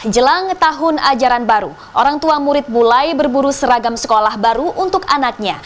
jelang tahun ajaran baru orang tua murid mulai berburu seragam sekolah baru untuk anaknya